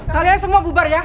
kalian semua bubar ya